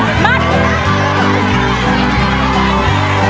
อ้าวแม่